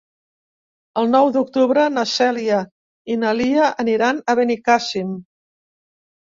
El nou d'octubre na Cèlia i na Lia aniran a Benicàssim.